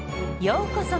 ようこそ！